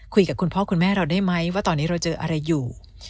คุยกับคุณพ่อคุณแม่เราได้ไหมว่าตอนนี้เราเจออะไรอยู่